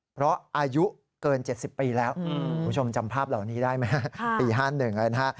เพราะอายุเกิน๗๐ปีแล้วคุณผู้ชมจำภาพเหล่านี้ได้ไหมฮะปี๕๑นะฮะ